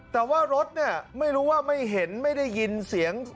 แต่ว่ารถเนี่ยไม่รู้ว่าไม่เห็นไม่ได้ยินเสียง